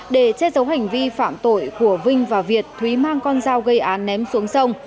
để che giấu hành vi phạm tội của vinh và việt thúy mang con dao gây án ném xuống sông